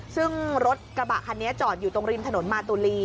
ซึ่งรถกระบะคันนี้จอดอยู่ตรงริมถนนมาตุลี